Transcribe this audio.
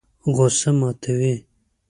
غوسه ماتوي.